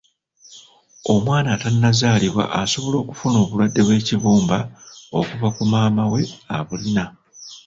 Omwana atannazaalibwa asobola okufuna obulwadde bw'ekibumba okuva ku maama we abulina.